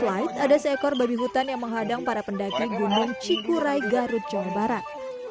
light ada seekor babi hutan yang menghadang para pendaki gunung cikurai garut jawa barat